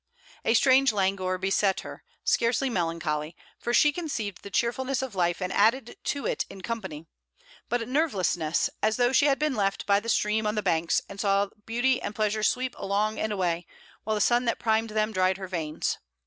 A strange languor beset her; scarcely melancholy, for she conceived the cheerfulness of life and added to it in company; but a nervelessness, as though she had been left by the stream on the banks, and saw beauty and pleasure sweep along and away, while the sun that primed them dried her veins.